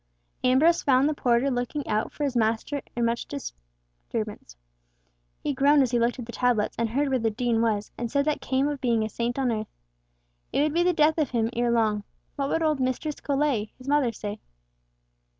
Ambrose found the porter looking out for his master in much perturbation. He groaned as he looked at the tablets, and heard where the Dean was, and said that came of being a saint on earth. It would be the death of him ere long! What would old Mistress Colet, his mother, say?